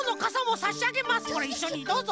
これいっしょにどうぞ！